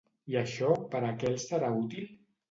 I això per a què els serà útil?